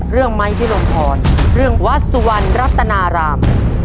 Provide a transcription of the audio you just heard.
เรื่องไม้ที่ลมพรเรื่องวัดสุวรรณรัตนาราม